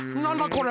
これ。